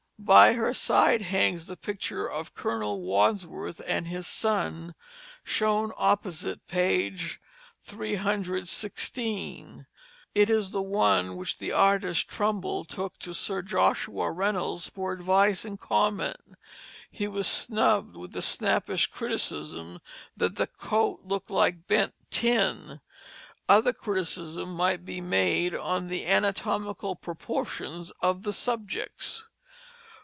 By her side hangs the picture of Colonel Wadsworth and his son, shown opposite page 316. It is the one which the artist Trumbull took to Sir Joshua Reynolds for advice and comment. He was snubbed with the snappish criticism that "the coat looked like bent tin." Other criticism might be made on the anatomical proportions of the subjects.